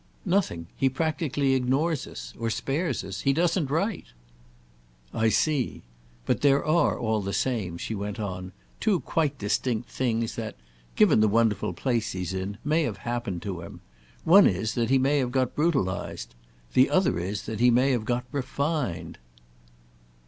"Nothing. He practically ignores us—or spares us. He doesn't write." "I see. But there are all the same," she went on, "two quite distinct things that—given the wonderful place he's in—may have happened to him. One is that he may have got brutalised. The other is that he may have got refined."